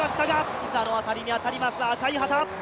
膝の辺りに当たります、赤い旗。